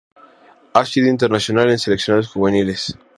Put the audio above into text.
Ha sido internacional en seleccionados juveniles.